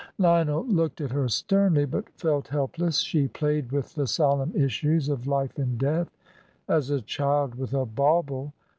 Lionel looked at her sternly, but felt helpless. She played with the solemn issues of life and death as a child with a bauble.